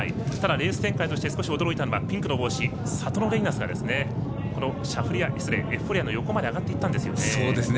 レース展開として驚いたのが、ピンクの帽子サトノレイナスがエフフォーリアの横まで上がっていったんですよね。